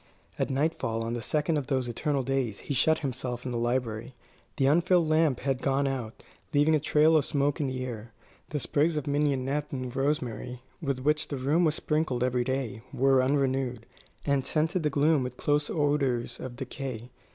At nightfall on the second of those eternal days he shut himself in the library. The unfilled lamp had gone out, leaving a trail of smoke in the air. The sprigs of mignonette and rosemary, with which the room was sprinkled every day, were unrenewed, and scented the gloom with close odours of decay.